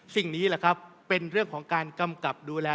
สิ่งนี้แหละครับเป็นเรื่องของการกำกับดูแล